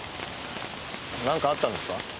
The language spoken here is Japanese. なんかあったんですか？